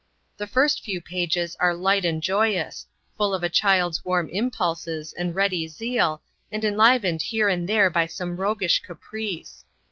The first few pages are light and joyous, full of a child's warm impulses and ready zeal, and enlivened here and there by some roguish caprice.